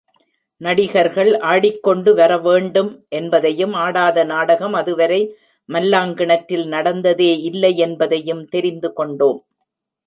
நடிகர்கள் ஆடிக்கொண்டு வரவேண்டும் என்பதையும், ஆடாத நாடகம் அதுவரை மல்லாங்கிணற்றில் நடந்ததே இல்லை யென்பதையும் தெரிந்து கொண்டோம்.